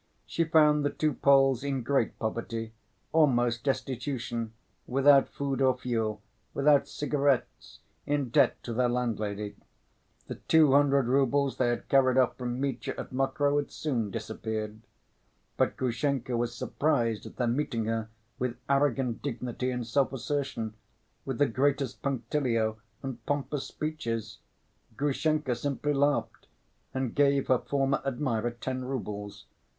She found the two Poles in great poverty, almost destitution, without food or fuel, without cigarettes, in debt to their landlady. The two hundred roubles they had carried off from Mitya at Mokroe had soon disappeared. But Grushenka was surprised at their meeting her with arrogant dignity and self‐assertion, with the greatest punctilio and pompous speeches. Grushenka simply laughed, and gave her former admirer ten roubles.